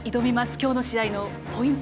きょうの試合のポイント